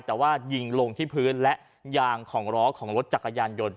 แต่ว่ายิงลงที่พื้นและยางของล้อของรถจักรยานยนต์